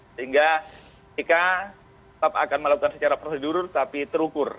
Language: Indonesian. sehingga kita tetap akan melakukan secara prosedur tapi terukur